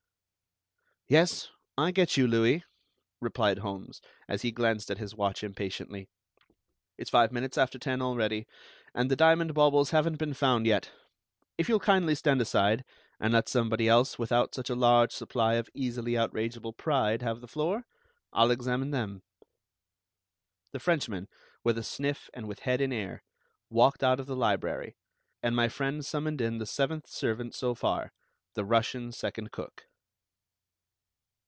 "Yes, I get you, Louis," replied Holmes, as he glanced at his watch impatiently. "It's five minutes after ten already, and the diamond baubles haven't been found yet. If you'll kindly stand aside, and let somebody else without such a large supply of easily outrageable pride have the floor, I'll examine them." The Frenchman, with a sniff and with head in air, walked out of the library; and my friend summoned in the seventh servant so far, the Russian second cook.